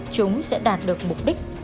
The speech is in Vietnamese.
chúng sẽ đạt được mục đích